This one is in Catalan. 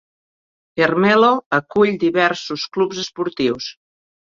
Ermelo acull diversos clubs esportius.